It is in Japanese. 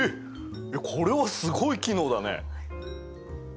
これはすごい機能だね。